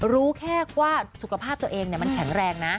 รู้แค่ว่าสุขภาพตัวเองมันแข็งแรงนะ